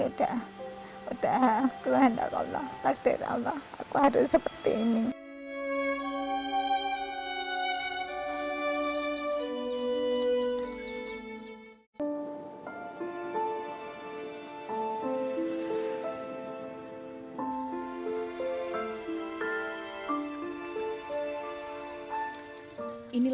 udah udah tuhan allah takdir allah aku harus seperti ini